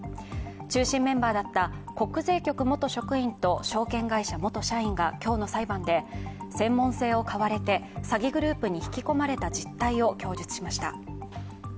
中心メンバーだった国税局元職員と証券会社元社員が今日の裁判で、専門性を買われて詐欺グループに引き込まれた実態を供述しました。